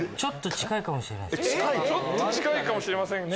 近いかもしれませんね。